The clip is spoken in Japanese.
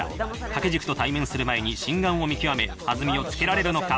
掛け軸と対面する前に真がんを見極め、弾みをつけられるのか。